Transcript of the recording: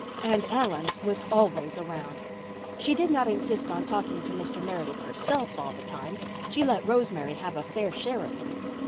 And Ellen was always around. She did not insist on talking to Mr. Meredith herself all the time. She let Rosemary have a fair share of him.